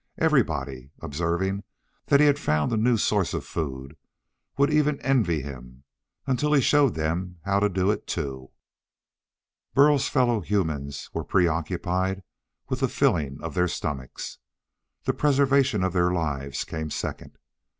Everybody, observing that he had found a new source of food, would even envy him until he showed them how to do it too. Burl's fellow humans were preoccupied with the filling of their stomachs. The preservation of their lives came second.